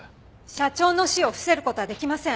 社長の死を伏せる事はできません。